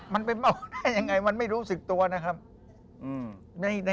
มันไปเมาได้ยังไงมันไม่รู้สึกตัวนะครับ